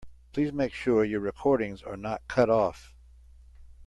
Please make sure your recordings are not cut off.